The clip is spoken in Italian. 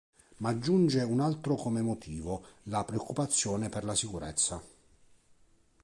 Ma aggiunge un altro come motivo: "la preoccupazione per la sicurezza".